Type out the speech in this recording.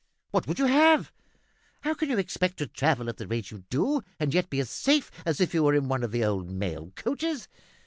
What would you have? How can you expect to travel at the rate you do, and yet be as safe as if you were in one of the old mail coaches?"